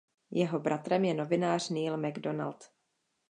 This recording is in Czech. Jeho bratrem je novinář Neil Macdonald.